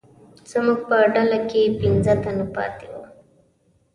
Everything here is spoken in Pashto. زموږ په ډله کې پنځه تنه پاتې وو.